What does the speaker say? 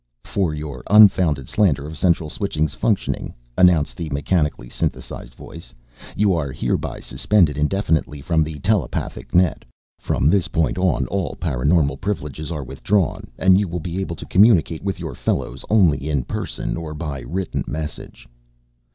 "For your unfounded slander of Central Switching's functioning," announced the mechanically synthesized voice, "you are hereby Suspended indefinitely from the telepathic net. From this point on all paraNormal privileges are withdrawn and you will be able to communicate with your fellows only in person or by written message."